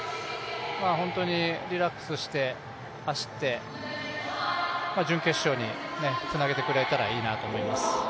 本当にリラックスして走って、準決勝につなげてくれたらいいなと思います。